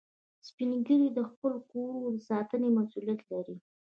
سپین ږیری د خپلو کورو د ساتنې مسئولیت لري